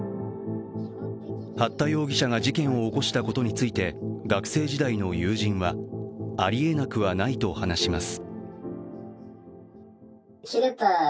八田容疑者が事件を起こしたことについて学生時代の友人はありえなくはないと話します。